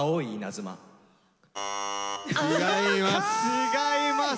違います。